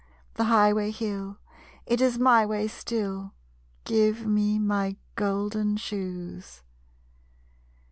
The highway hill, it is my way still. Give me my golden shoes.